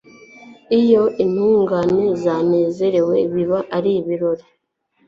iyo intungane zanezerewe, biba ari ibirori